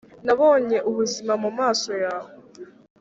nabonye ubuzima mumaso yawe